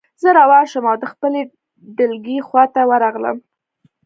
زه روان شوم او د خپلې ډلګۍ خواته ورغلم